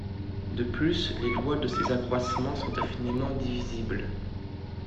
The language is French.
De plus, les lois de ses accroissements sont infiniment divisibles.